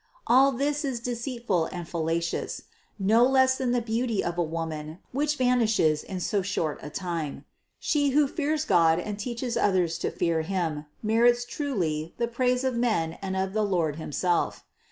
All this is deceitful and fallacious, no less than the beauty of a woman, which vanishes in so short a time. She who fears God and teaches others to fear Him, merits truly the praise of THE CONCEPTION 609 men and of the Lord himself.